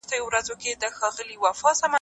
زما له شوره به شنوا سي د کاڼه فلک غوږونه